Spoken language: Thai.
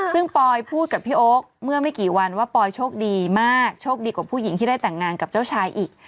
ซึ่งปอยพูดกับพี่โอ๊คเมื่อไม่กี่วันว่าปอยโชคดีมากโชคดีกว่าผู้หญิงที่ได้แต่งงานกับเจ้าชายอีก